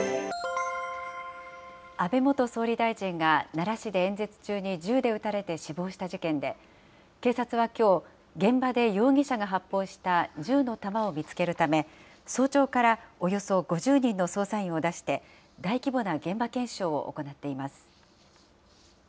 安倍元総理大臣が奈良市で演説中に銃で撃たれて死亡した事件で、警察はきょう、現場で容疑者が発砲した銃の弾を見つけるため、早朝からおよそ５０人の捜査員を出して、大規模な現場検証を行っています。